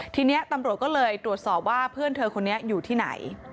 ทีนี้ตำรวจก็เลยตรวจสอบว่าเพื่อนเธอคนนี้อยู่ที่ไหน